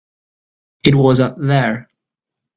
It was up there.